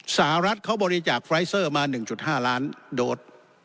สหรัฐเขาบริจาคไฟเซอร์มา๑๕ล้านโดส